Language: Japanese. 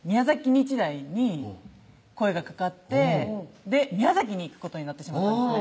日大に声がかかって宮崎に行くことになってしまったんですね